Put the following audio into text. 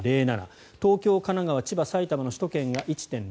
東京、神奈川、千葉埼玉の首都圏が１．０９。